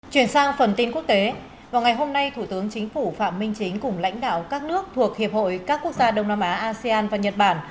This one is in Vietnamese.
chuyển sang phần tin quốc tế vào ngày hôm nay thủ tướng chính phủ phạm minh chính cùng lãnh đạo các nước thuộc hiệp hội các quốc gia đông nam á asean và nhật bản